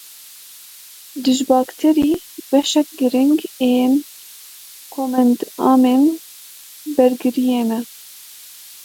Dijbakterî beşek giring ên komendamên bergiriyê ne.